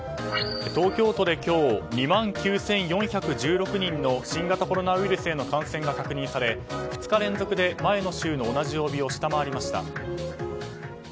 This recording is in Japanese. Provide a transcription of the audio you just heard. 東京都で今日２万９４１６人の新型コロナウイルスへの感染が確認され２日連続で前の週の同じ曜日を下回りました。